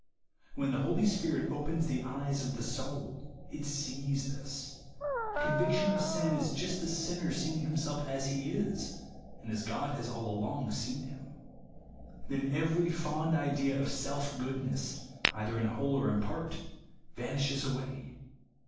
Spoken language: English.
When the Holy Spirit opens the eyes of the soul it sees this. Conviction of sin is just the sinner seeing himself as he is, and as God has all along seen him. Then every fond idea of self goodness, either in whole or in part, vanishes away.